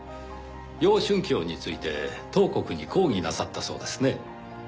楊春喬について東国に抗議なさったそうですね。